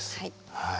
はい。